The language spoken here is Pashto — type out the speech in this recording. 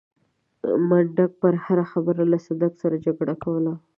منډک به پر هره خبره له صدک سره جګړه کوله.